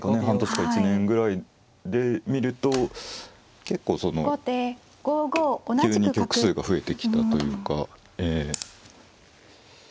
半年か１年くらいで見ると結構急に局数が増えてきたというか。